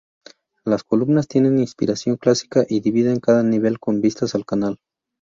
Las columnas tienen inspiración clásica y dividen cada nivel con vistas al canal.